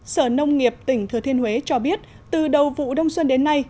sở nông nghiệp tỉnh thừa thiên huế cho biết từ đầu vụ đông xuân đến nay